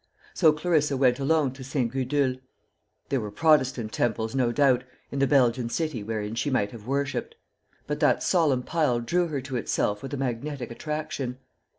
So Clarissa went alone to St. Gudule. There were Protestant temples, no doubt, in the Belgian city wherein she might have worshipped; but that solemn pile drew her to itself with a magnetic attraction.